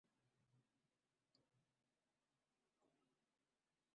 Wtent apyanu.